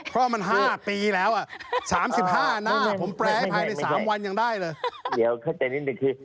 เพราะมัน๕ปีแล้ว๓๕หน้าผมแปลภายใน๓วันยังได้เลย